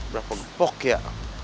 berapa gepok ya